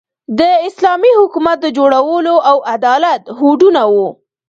د اسلامي حکومت د جوړولو او عدالت هوډونه وو.